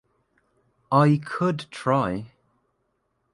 I could try.